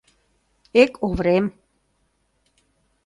Эк, Оврем.